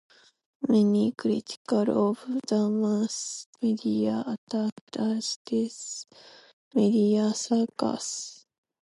Many critics of the mass media attacked this as a "media circus".